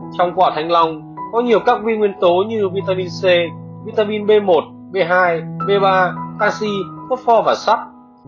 trong quả thanh long có nhiều các vi nguyên tố như vitamin c vitamin b một b hai b ba calcium phốt pho và sắc